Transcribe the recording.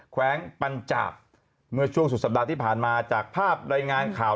แวงปัญจากเมื่อช่วงสุดสัปดาห์ที่ผ่านมาจากภาพรายงานข่าว